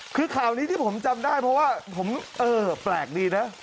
คือข่าวนี้ที่ผมจำได้เพราะว่าผมเออแปลกดีนะ